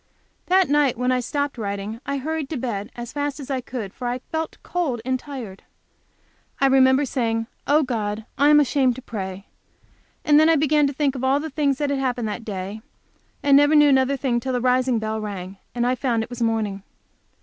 That night when I stopped writing, I hurried to bed as fast as I could, for I felt cold and tired. I remember saying, "Oh, God, I am ashamed to pray," and then I began to think of all the things that had happened that day, and never knew another thing till the rising bell rang and I found it was morning.